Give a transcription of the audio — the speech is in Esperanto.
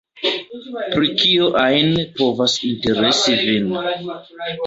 Pri kio ajn povas interesi vin.